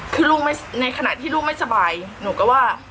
คือลูกในขณะที่ลูกไม่สบายหนูก็ว่า